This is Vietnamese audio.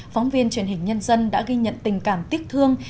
phóng viên truyền hình nhân dân đã ghi nhận tình cảm tiếc thương